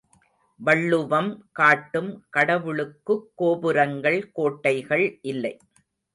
வள்ளுவம் காட்டும் கடவுளுக்குக் கோபுரங்கள் கோட்டைகள் இல்லை.